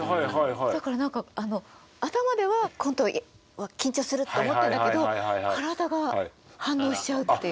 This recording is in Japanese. だから何か頭ではコントは緊張するって思ってるんだけど体が反応しちゃうっていう。